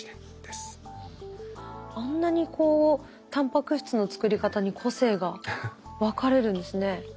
あんなにこうたんぱく質の作り方に個性が分かれるんですね。